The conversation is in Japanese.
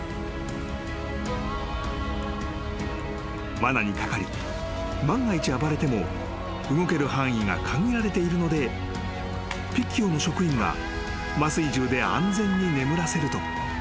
［わなにかかり万が一暴れても動ける範囲が限られているのでピッキオの職員が麻酔銃で安全に眠らせると］